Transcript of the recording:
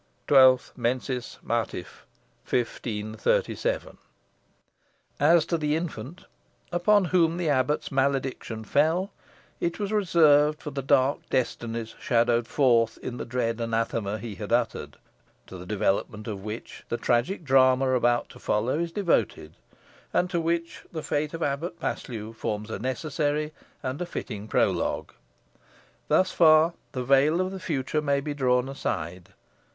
12º Mensis Martii, 1537. As to the infant, upon whom the abbot's malediction fell, it was reserved for the dark destinies shadowed forth in the dread anathema he had uttered: to the development of which the tragic drama about to follow is devoted, and to which the fate of Abbot Paslew forms a necessary and fitting prologue. Thus far the veil of the Future may be drawn aside.